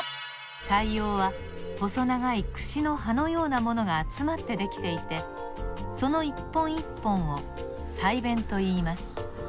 鰓葉は細長いくしの歯のようなものがあつまってできていてこの一本一本を鰓弁といいます。